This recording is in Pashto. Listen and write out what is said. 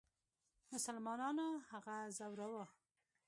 مسلمانانو هغه ځوراوه.